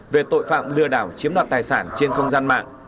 về tội phạm lừa đảo chiếm đoạt tài sản trên không gian mạng